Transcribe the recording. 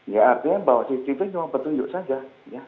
ya artinya bahwa cctv cuma petunjuk saja